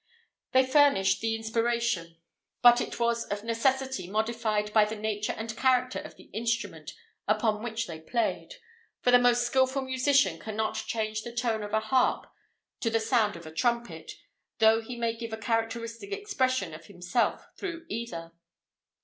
They furnished the inspiration, but it was of necessity modified by the nature and character of the instrument upon which they played, for the most skilful musician cannot change the tone of a harp to the sound of a trumpet, though he may give a characteristic expression of himself through either.